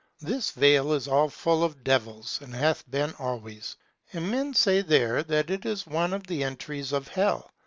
This vale is all full of devils, and hath been always. And men say there, that it is one of the entries of hell.